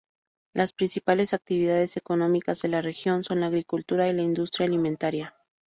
Las principales actividades económicas de la región son la agricultura y la industria alimentaria.